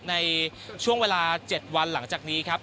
ในช่วงเวลา๗วันหลังจากนี้ครับ